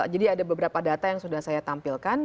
jadi ada beberapa data yang sudah saya tampilkan